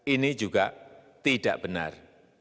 ini juga tidak benar